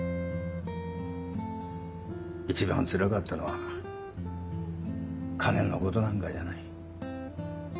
一番つらかったのは金のことなんかじゃない。